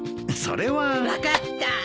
それは。分かった！